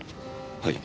はい。